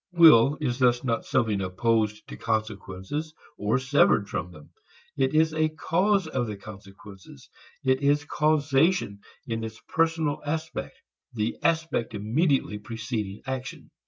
Will is thus not something opposed to consequences or severed from them. It is a cause of consequences; it is causation in its personal aspect, the aspect immediately preceding action.